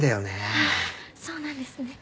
ああそうなんですね。